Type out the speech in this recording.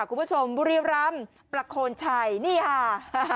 คุณผู้ชมบุรียวารำประโคนชัยนี่ค่ะ